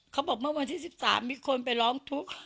เขาบอกเมื่อวันที่๑๓มีคนไปร้องทุกข์